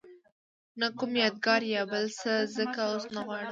نه کوم یادګار یا بل څه ځکه اوس نه غواړم.